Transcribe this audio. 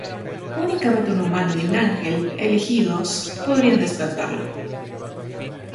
Únicamente un humano y un ángel elegidos podrían despertarlo.